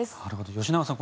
吉永さん